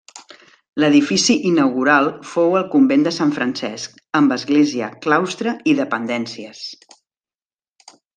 L'edifici inaugural fou el convent de Sant Francesc, amb església, claustre i dependències.